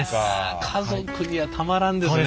家族にはたまらんですね